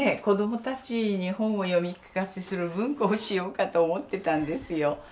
子どもたちに本を読み聞かせする文庫をしようかと思ってたんですよ。